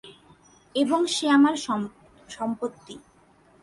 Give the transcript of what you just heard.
এবং সে আমার সম্পত্তি।